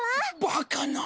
バカな。